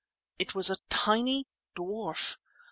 It was a tiny dwarf!